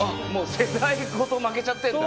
世代ごと負けちゃってんだ。